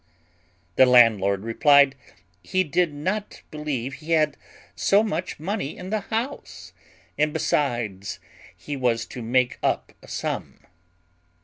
The landlord replied, "He did not believe he had so much money in the house, and besides, he was to make up a sum.